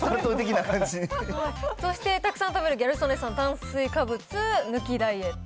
そしてたくさん食べるギャル曽根さん、炭水化物抜きダイエット。